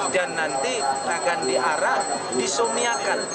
dan nanti akan diarah disumiakan